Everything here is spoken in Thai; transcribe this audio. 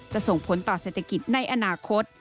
ส่งผลต่อเศรษฐกิจในอนาคต